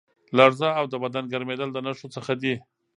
لړزه او د بدن ګرمېدل د نښو څخه دي.